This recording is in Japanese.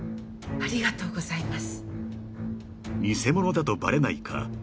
ありがとうございます。